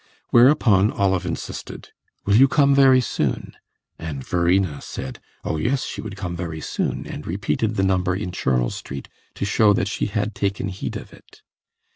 Whereupon Olive insisted "Will you come very soon?" and Verena said, Oh yes, she would come very soon, and repeated the number in Charles Street, to show that she had taken heed of it.